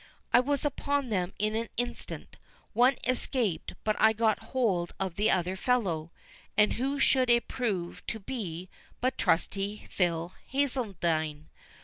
I was upon them in the instant—one escaped, but I got hold of the other fellow, and who should it prove to be but trusty Phil Hazeldine!